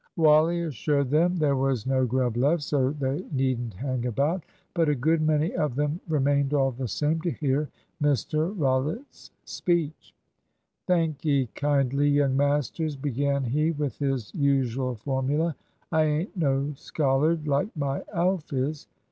Wally assured them there was no grub left, so they needn't hang about; but a good many of them remained all the same, to hear Mr Rollitt's speech. "Thank'ee kindly, young masters," began he, with his usual formula; "I ain't no schollard like my Alf is.